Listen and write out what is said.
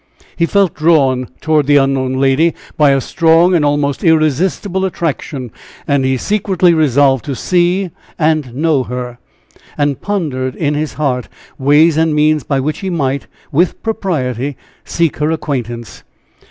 He felt drawn toward the unknown lady by a strong and almost irresistible attraction; and he secretly resolved to see and know her, and pondered in his heart ways and means by which he might, with propriety, seek her acquaintance.